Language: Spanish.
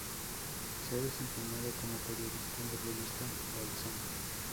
Se ha desempeñado como periodista en la revista "Balsam".